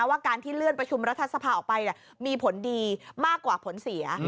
ว่าการที่เลื่อนประชุมรัฐสภาออกไปมีผลดีมากกว่าผลเสีย